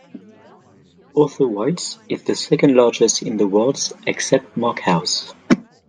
Other White is the second largest in all wards except Markhouse.